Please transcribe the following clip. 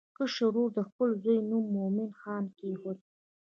کشر ورور د خپل زوی نوم مومن خان کېښود.